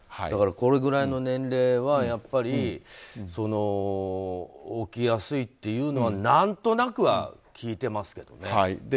これくらいの年齢はやっぱり起きやすいというのは何となくは聞いてますけどね。